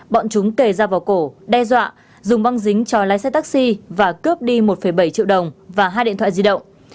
bọn chúng kề dao vào cổ đe dọa dùng băng dính cho lái xe taxi và cướp đi một bảy triệu đồng và hai điện thoại di động